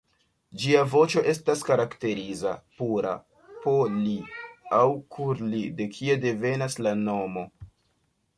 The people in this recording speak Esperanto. Ĝia voĉo estas karakteriza, pura "po-li" aŭ “kur-li” de kie devenas la nomo.